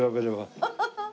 ハハハッ。